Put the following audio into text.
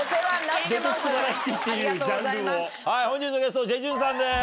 本日のゲストジェジュンさんです。